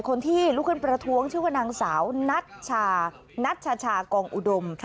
คนที่ลุกขึ้นประท้วงชื่อว่านางสาวนัชชานัชชากองอุดม